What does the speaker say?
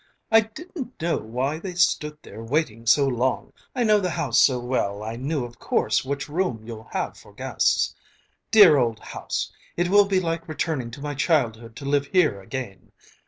I didn't know why they stood there waiting so long. I know the house so well I knew of course which room you'll have for guests. Dear old house! It will be like returning to my childhood to live here again!"